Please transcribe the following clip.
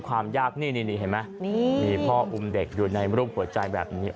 ความยากนี่เห็นไหมมีพ่ออุ้มเด็กอยู่ในรูปหัวใจแบบนี้